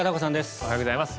おはようございます。